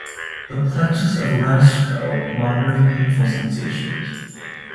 The plexus of Raschkow monitors painful sensations.